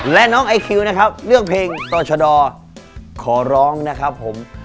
และน้องไอคิวนะครับเลือกเพลงต่อชะดอขอร้องนะครับผม